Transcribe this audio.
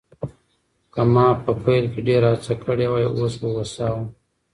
که ما په پیل کې ډېره هڅه کړې وای، اوس به هوسا وم.